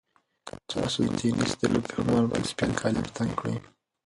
تاسو د تېنس د لوبې پر مهال باید سپین کالي په تن کړئ.